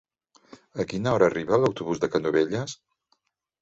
A quina hora arriba l'autobús de Canovelles?